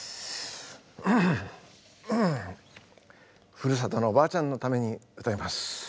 ふるさとのおばあちゃんのために歌います。